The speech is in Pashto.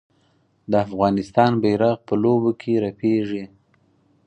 د افغانستان بیرغ په لوبو کې رپیږي.